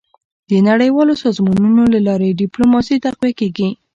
. د نړیوالو سازمانونو له لارې ډيپلوماسي تقویه کېږي.